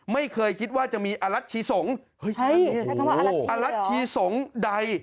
ไม่เคยคิดว่าจะมีอรัชชีสงฆ์อรัชชีสงฆ์ใด